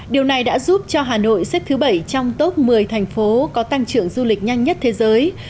điều này đã giúp cho hà nội xếp thứ bảy trong top một mươi thành phố có tăng trưởng du lịch nhanh nhất thế giới